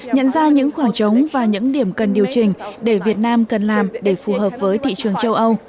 nhận ra những khoảng trống và những điểm cần điều chỉnh để việt nam cần làm để phù hợp với thị trường châu âu